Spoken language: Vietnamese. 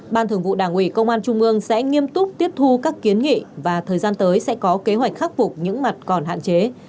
ban thường vụ đảng ủy công an trung ương sẽ nghiêm túc tiếp thu các kiến nghị và thời gian tới sẽ có kế hoạch khắc phục những mặt còn hạn chế